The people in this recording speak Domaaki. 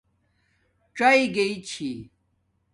ژئ گی چھی